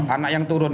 anak yang turun